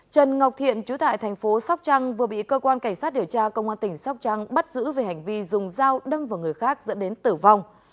trần ngọc thiện chú tại thành phố sóc trăng vừa bị cơ quan cảnh sát điều tra công an tỉnh sóc trăng bắt giữ về hành vi dùng dao đâm vào người khác dẫn đến tử vong